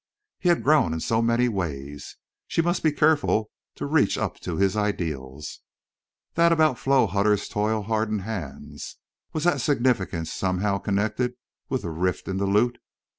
He had grown in many ways. She must be careful to reach up to his ideals. That about Flo Hutter's toil hardened hands! Was that significance somehow connected with the rift in the lute?